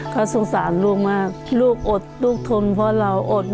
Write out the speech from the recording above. ก็สงสารลูกมากลูกอดลูกทนเพราะเราอดมาก